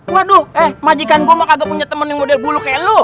waduh eh majikan gue mau kagak punya temen yang model bulu kayak lu